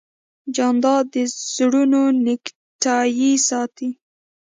جانداد د زړونو نېکتایي ساتي.